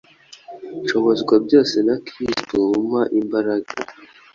"Nshobozwa byose na Kristo umpa imbaraga"